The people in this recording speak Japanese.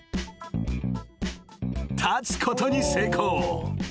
［立つことに成功］